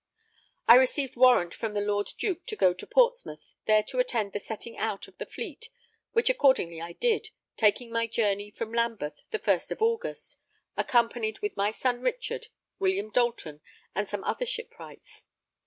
I received warrant from the Lord Duke to go to Portsmouth, there to attend the setting out of the Fleet; which accordingly I did, taking my journey from Lambeth the first of August, accompanied with my son Richard, William Dalton, and some other shipwrights.